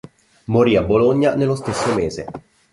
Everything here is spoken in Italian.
Morì a Bologna nello stesso mese.